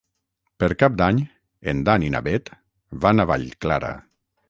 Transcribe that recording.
Per Cap d'Any en Dan i na Bet van a Vallclara.